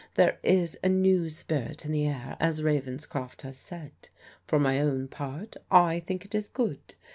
There is a new spirit in the air, as Ravenscroft has said. For my own part I think it is good.